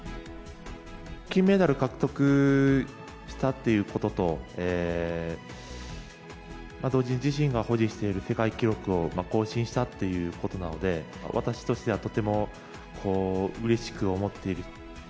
金メダル獲得したっていうことと、同時に自身が保持している世界記録を更新したっていうことなので、私としてはとてもうれしく思っている。